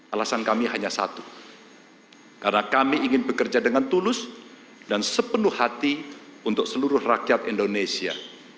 alasan kami hanya satu karena kami ingin bekerja dengan tulus dan sepenuh hati untuk seluruh rakyat indonesia